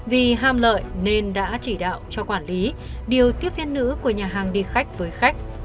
vì ham lợi nên đã chỉ đạo cho quản lý điều tiếp viên nữ của nhà hàng đi khách với khách